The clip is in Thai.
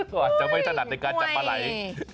ก็อาจจะไม่ถนัดในการจับปลาไหล่